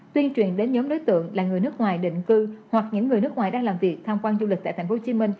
tuyên truyền đến nhóm đối tượng là người nước ngoài định cư hoặc những người nước ngoài đang làm việc tham quan du lịch tại tp hcm